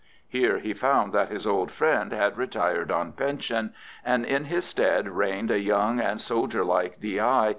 Here he found that his old friend had retired on pension, and in his stead reigned a young and soldier like D.I.